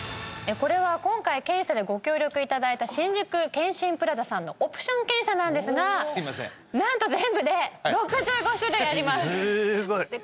これは今回検査でご協力いただいた新宿健診プラザさんのオプション検査なんですがなんと全部で６５種類ありますすごい！